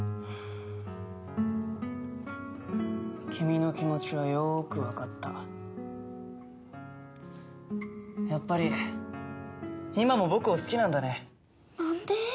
君の気持ちはよーくわかったやっぱり今も僕を好きなんだねなんで？